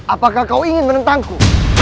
apakah kau ingin menentangku